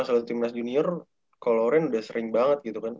kalo orang lain udah sering banget gitu kan